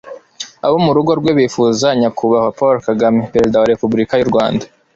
abo mu rugo rwe bifuza, nyakubahwa paul kagame, perezida wa repubulika y'u rwanda